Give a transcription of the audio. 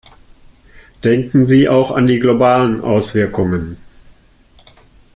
Denken Sie auch an die globalen Auswirkungen.